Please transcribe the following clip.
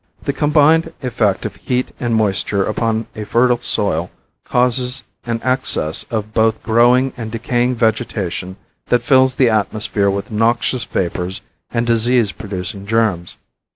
The combined effect of heat and moisture upon a fertile soil causes an excess of both growing and decaying vegetation that fills the atmosphere with noxious vapors and disease producing germs.